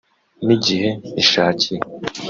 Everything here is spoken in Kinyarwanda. n’igihe ishakiye